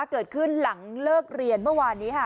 เกิดขึ้นหลังเลิกเรียนเมื่อวานนี้ค่ะ